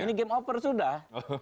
ini game over sudah